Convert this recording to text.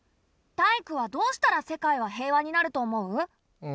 タイイクはどうしたら世界は平和になると思う？